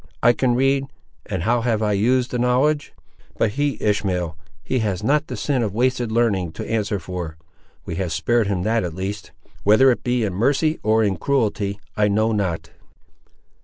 "I can read; and how have I used the knowledge! But he, Ishmael, he has not the sin of wasted l'arning to answer for. We have spared him that, at least! whether it be in mercy, or in cruelty, I know not."